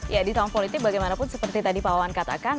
ya di tahun politik bagaimanapun seperti tadi pak wawan katakan